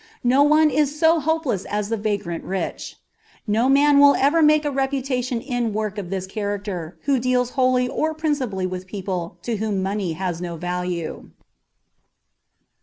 No one is so hopeless as the vagrant rich. No man will ever make a reputation in work of this character who deals wholly or even principally with people to whom money has no value.